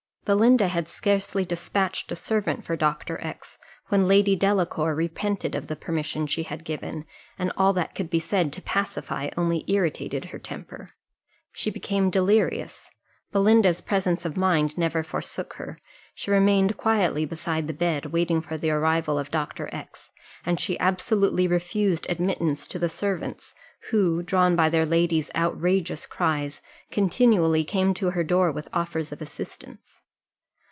Belinda had scarcely despatched a servant for Dr. X , when Lady Delacour repented of the permission she had given, and all that could be said to pacify only irritated her temper. She became delirious; Belinda's presence of mind never forsook her, she remained quietly beside the bed waiting for the arrival of Dr. X , and she absolutely refused admittance to the servants, who, drawn by their lady's outrageous cries, continually came to her door with offers of assistance.